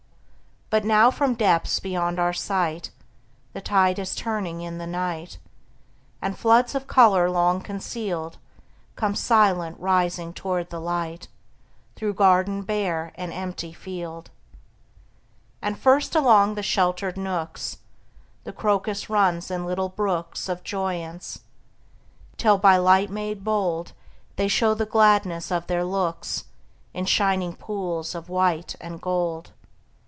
But now from depths beyond our sight, The tide is turning in the night, And floods of color long concealed Come silent rising toward the light, Through garden bare and empty field. And first, along the sheltered nooks, The crocus runs in little brooks Of joyance, till by light made bold They show the gladness of their looks In shining pools of white and gold.